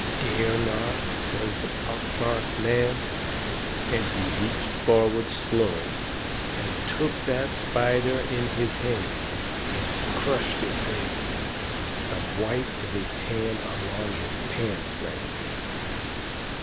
"DARE not?" says the pock marked man. And he reached forward slow and took that spider in his hand, and crushed it there, and wiped his hand along his pants leg.